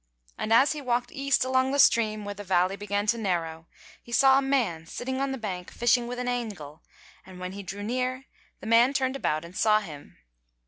And as he walked east along the stream where the valley began to narrow, he saw a man sitting on the bank fishing with an angle, and when he drew near, the man turned about, and saw him.